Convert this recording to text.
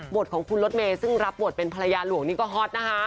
ของคุณรถเมย์ซึ่งรับบทเป็นภรรยาหลวงนี่ก็ฮอตนะคะ